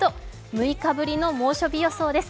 ６日ぶりの猛暑日予想です。